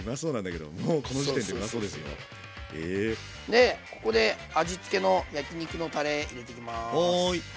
でここで味付けの焼き肉のたれ入れていきます。